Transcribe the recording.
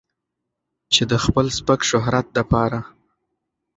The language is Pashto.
چې د خپل سپک شهرت د پاره